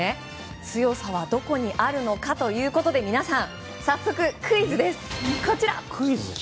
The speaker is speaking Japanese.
強さはどこにあるのかということで皆さん、早速クイズです。